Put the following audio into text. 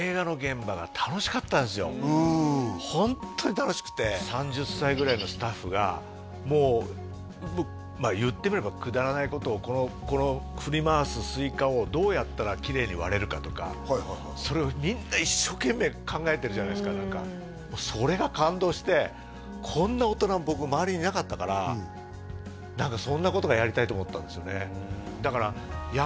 やっぱホントに楽しくて３０歳ぐらいのスタッフがもう言ってみればくだらないことをこの振り回すスイカをどうやったらきれいに割れるかとかそれをみんな一生懸命考えてるじゃないですか何かそれが感動して何かそんなことがやりたいと思ったんですよね